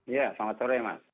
iya selamat sore mas